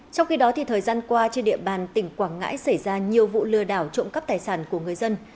trong khi đó thời gian qua trên địa bàn tỉnh quảng ngãi xảy ra nhiều vụ lừa đảo trộm cắp tài sản của người dân